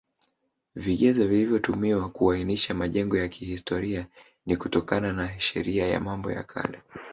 Vigezo vilivyotumiwa kuainisha majengo ya kihstoria ni kutokana na Sheria ya Mambo ya Kale